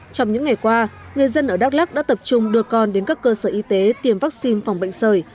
trong những ngày qua người dân ở đắk lắc đã tập trung đưa con đến các cơ sở y tế tiêm vaccine phòng bệnh sởi